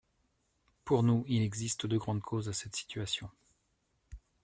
Pour nous, il existe deux grandes causes à cette situation.